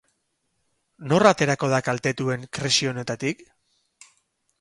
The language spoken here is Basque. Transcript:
Nor aterako da kaltetuen krisi honetatik?